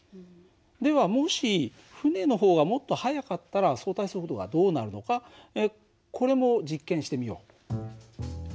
ではもし船の方がもっと速かったら相対速度がどうなるのかこれも実験してみよう。